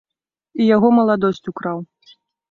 І яго маладосць украў.